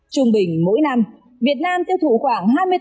trung bình mỗi năm việt nam tiêu thủ khoảng hai mươi tấn vàng trang sức nghỹ nghệ